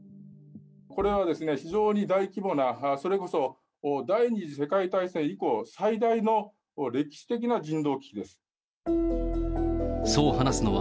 これは非常に大規模な、それこそ第２次世界大戦以降最大の歴史的な人道危機です。